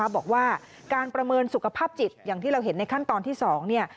บอกว่าการประเมินสุขภาพจิตอย่างที่เราเห็นในขั้นตอนที่๒